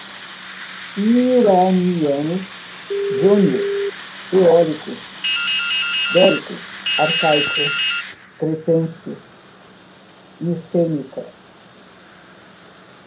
hieroglífica, golfo pérsico, iranianos, jônios, eólicos, dóricos, arcaico, cretense, micênica